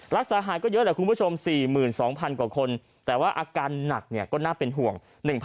รักษาหายก็เยอะแหละคุณผู้ชม๔๒๐๐๐กว่าคนแต่ว่าอาการหนักก็น่าเป็นห่วง